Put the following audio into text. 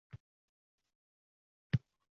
Yerning ostinda oltinlar asiri-dasti-insoni